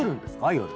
夜。